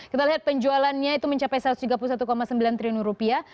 kita lihat penjualannya itu mencapai satu ratus tiga puluh satu sembilan triliun rupiah